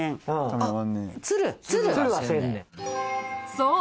そう！